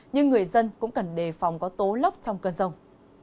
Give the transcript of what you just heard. nhưng người dân cũng cần đề phòng có tố lốc trong cơn rông